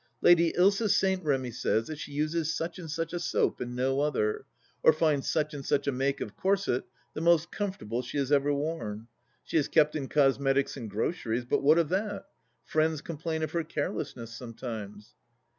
Lady Ilsa St. Remy says that she uses such and such a soap and no other, or finds such and such a make of corset the most comfortable she has ever worn. She is kept in cosmetics and groceries, but what of that ? Friends complain of her carelessness sometimes.